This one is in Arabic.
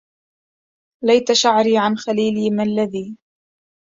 ليت شعري عن خليلي ما الذي